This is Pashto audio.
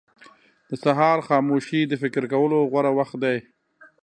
• د سهار خاموشي د فکر کولو غوره وخت دی.